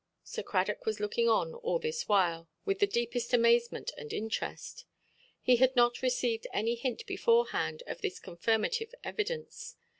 Sir Cradock was looking on, all this while, with the deepest amazement and interest. He had not received any hint beforehand of this confirmative evidence.